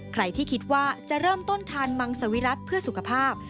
ใครที่คิดว่าจะเริ่มต้นทานมังสวิรัติเพื่อสุขภาพ